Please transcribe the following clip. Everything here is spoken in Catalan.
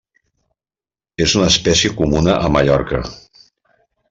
És una espècie comuna a Mallorca.